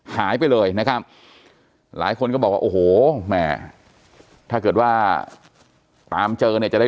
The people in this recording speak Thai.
หายไปเลยนะครับหลายคนก็บอกว่าโอ้โหแม่ถ้าเกิดว่าตามเจอเนี่ยจะได้